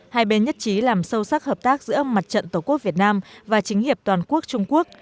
hai bên nhất trí làm sâu sắc hợp tác giữa mặt trận tổ quốc việt nam và chính hiệp toàn quốc trung quốc